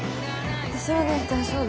私はね大丈夫。